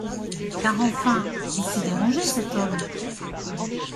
Car, enfin, il s’est dérangé, cet homme !